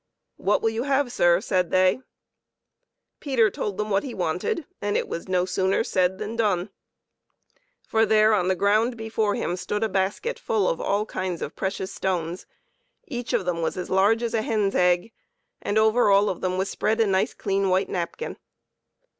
"What will you have, sir?" said they. Peter told them what he wanted, and it was no sooner said than done ; for, there on the ground before him, stood a basketful of all kinds of precious stones ; each of them was as large as a hen's egg, and over all of them was spread a nice clean white napkin.